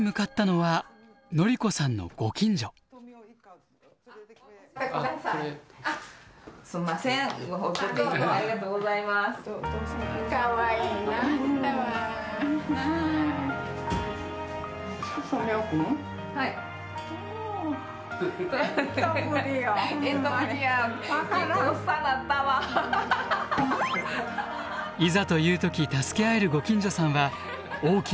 いざという時助け合えるご近所さんは大きな力になってくれます。